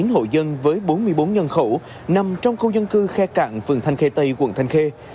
hồ dân với bốn mươi bốn nhân khẩu nằm trong khu dân cư khe cạn phường thanh khê tây quận thanh khê